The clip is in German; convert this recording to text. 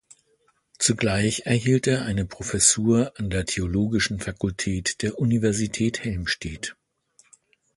Zugleich erhielt er eine Professur an der theologischen Fakultät der Universität Helmstedt.